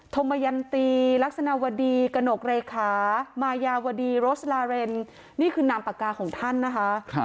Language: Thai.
ธมยันตีลักษณะวดีกระหนกเลขามายาวดีโรสลาเรนนี่คือนามปากกาของท่านนะคะ